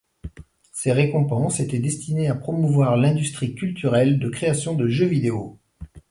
Ces récompenses étaient destinées à promouvoir l'industrie culturelle de création de jeux vidéo.